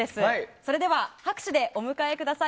それでは拍手でお迎えください。